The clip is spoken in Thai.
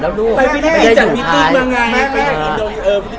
แล้วไม่ได้จัดวิติปินมาไง